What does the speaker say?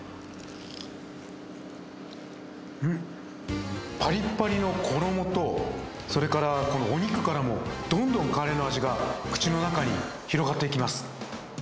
うん、ぱりっぱりの衣と、それからお肉からも、どんどんカレーの味が口の中に広がっていきます。